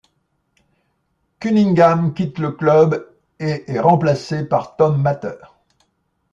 Cunningham quitte le club et est remplacé par Tom Mather.